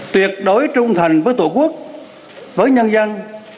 tuyệt đối trung thành với tổ quốc với nhân dân